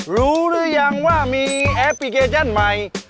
รู้หรือยังว่ามีแอปพลิเคชันใหม่